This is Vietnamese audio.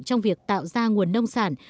trong việc tạo ra nguồn nông sản